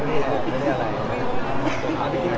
ก็กินข้าวจริงแล้วผมก็ไม่ได้ปิดนะครับ